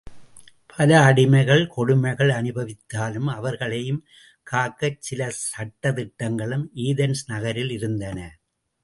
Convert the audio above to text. பல அடிமைகள் கொடுமைகள் அனுபவித்தாலும், அவர்களையும் காக்கச் சில சட்டதிட்டங்களும் ஏதென்ஸ் நகரில் இருந்தன.